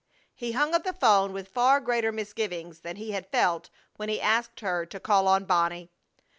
He hung up the 'phone with far greater misgivings than he had felt when he asked her to call on Bonnie.